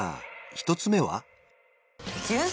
１つ目は？